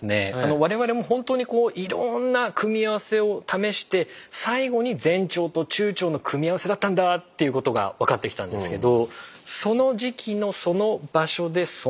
我々も本当にいろんな組み合わせを試して最後に前腸と中腸の組み合わせだったんだということが分かってきたんですけど